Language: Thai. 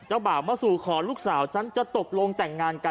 บ่าวมาสู่ขอลูกสาวฉันจะตกลงแต่งงานกัน